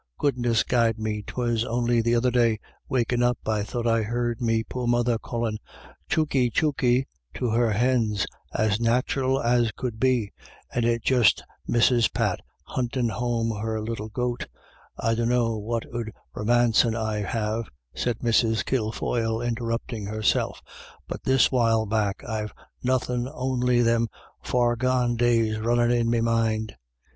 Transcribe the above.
Goodness guide me, 'twas on'y the other day wakin' up I thought I heard me poor mother callin' ' Chooky, chooky ' to her hins, as nathural as could be, and it just Mrs. Pat huntin' home her little goat — I dunno what ould romancin' I have," said Mrs. Kilfoyle, interrupting herself, "but . this while back I've nothin' on'y them far gone days runnin' in me mind.